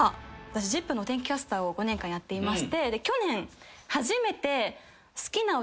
私『ＺＩＰ！』のお天気キャスターを５年間やっていまして。